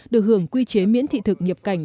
được hưởng quy chế miễn thị thực nhập cảnh